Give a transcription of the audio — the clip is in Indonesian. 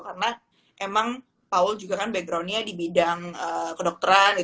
karena emang paul juga kan background nya di bidang kedokteran gitu